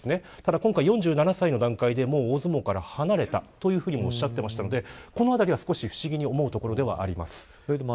今回、４７歳の段階で大相撲から離れたとおっしゃっていましたのでこのあたりは不思議に思うところではあります。